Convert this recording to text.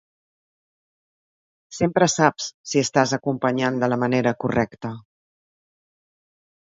Sempre saps si estàs acompanyant de la manera correcta.